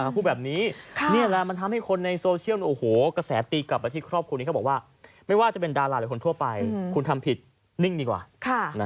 พูดแบบนี้นี่แหละมันทำให้คนในโซเชียลกระแสตีกลับไปที่ครอบครัวนี้เขาบอกว่าไม่ว่าจะเป็นดาราหรือคนทั่วไปคุณทำผิดนิ่งดีกว่า